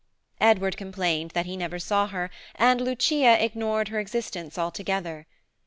Edward complained that he never saw her, and Lucia ignored her existence altogether.